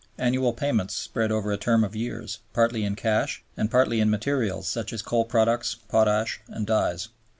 Annual payments spread over a term of years, partly in cash and partly in materials such as coal products, potash, and dyes.